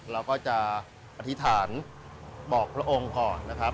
เราก็จะอธิษฐานบอกพระองค์ก่อนนะครับ